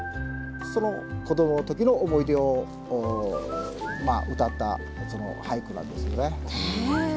その子どもの時の思い出を歌った俳句なんですよね。